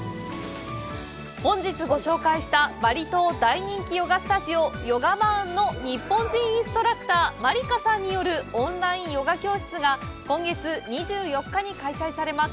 本日、ご紹介したバリ島大人気ヨガスタジオヨガバーンの日本人インストラクターマリカさんによるオンラインヨガ教室が、今月２４日に開催されます。